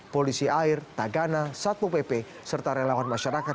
polisi air tagana satpo pp serta relawan masyarakat